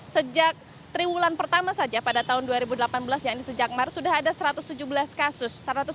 sejak triwulan pertama saja pada tahun dua ribu delapan belas yang ini sejak maret sudah ada satu ratus tujuh belas kasus